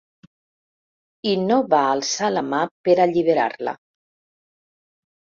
I no va alçar la mà per alliberar-la.